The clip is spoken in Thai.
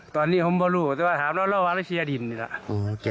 ตอนนี้ผมก็รู้แต่ว่าถามแล้วเล่าว่าแล้วเชียร์ดินนี่แหละ